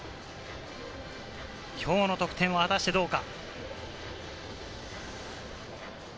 今日の得点は果たしてどうか？